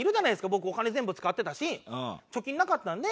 僕お金全部使ってたし貯金なかったんで。